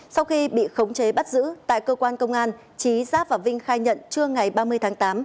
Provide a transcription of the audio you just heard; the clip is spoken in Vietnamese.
sau khi bị khống chế bắt giữ tại cơ quan công an trí giáp và vinh khai nhận trưa ngày ba mươi tháng tám